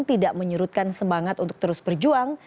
tidak menyurutkan semangat untuk terus berjuang